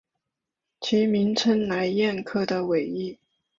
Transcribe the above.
其名称来燕科的尾翼。